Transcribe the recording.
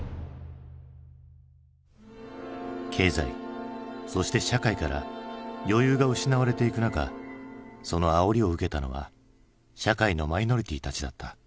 経済そして社会から余裕が失われていく中そのあおりを受けたのは社会のマイノリティーたちだった。